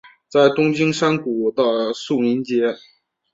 在东京山谷的宿民街。